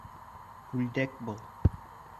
Күлдәк был!